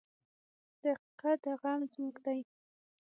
• دقیقه د زغم ځواک دی.